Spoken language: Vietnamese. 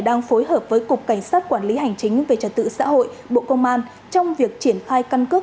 là một cảnh sát quản lý hành chính về trật tự xã hội bộ công an trong việc triển khai căn cước